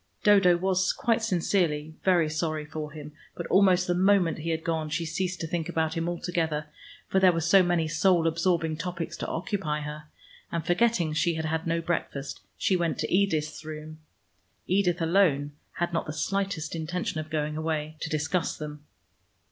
Dodo was quite sincerely very sorry for him, but almost the moment he had gone she ceased to think about him altogether, for there were so many soul absorbing topics to occupy her, and forgetting she had had no breakfast, she went to Edith's room (Edith alone had not the slightest intention of going away) to discuss them.